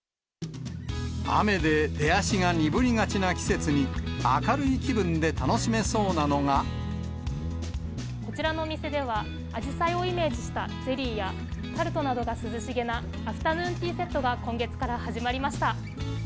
雨で出足が鈍りがちな季節に、こちらのお店では、あじさいをイメージしたゼリーやタルトなどが涼しげな、アフタヌーンティーセットが今月から始まりました。